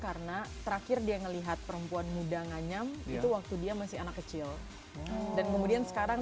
karena terakhir dia melihat perempuan muda nganyam itu waktu dia masih anak kecil dan kemudian sekarang